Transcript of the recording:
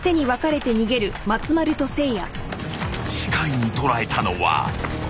［視界に捉えたのは］